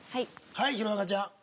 はい弘中ちゃん。